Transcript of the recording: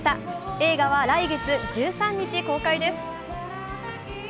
映画は来月１３日公開です。